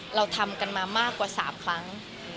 เราทำกันมามากกว่า๓ครั้ง